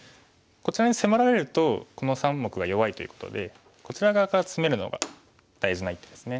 こちらに迫られるとこの３目が弱いということでこちら側からツメるのが大事な一手ですね。